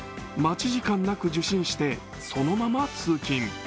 待ち時間なく受診してそのまま通勤。